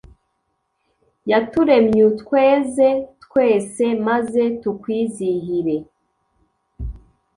yaturemy'utweze twese maze tukwizihire